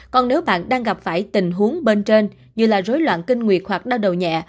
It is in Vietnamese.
còn nếu bạn đang gặp phải tình huống bên trên như là rối loạn kinh nguyệt hoặc đau đầu nhẹ